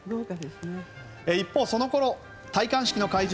一方そのころ、戴冠式の会場